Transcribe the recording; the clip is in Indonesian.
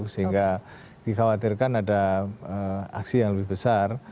sehingga dikhawatirkan ada aksi yang lebih besar